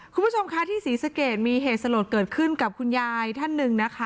คุณผู้ชมคะที่ศรีสะเกดมีเหตุสลดเกิดขึ้นกับคุณยายท่านหนึ่งนะคะ